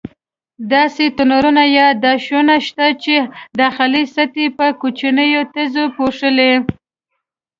داسې تنورونه یا داشونه شته چې داخلي سطحه یې په کوچنیو تیږو پوښلې.